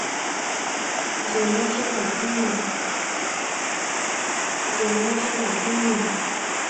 giờ lo cho bản thân của mình